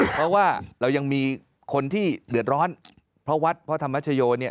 เพราะว่าเรายังมีคนที่เดือดร้อนเพราะวัดพระธรรมชโยเนี่ย